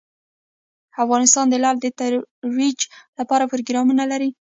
افغانستان د لعل د ترویج لپاره پروګرامونه لري.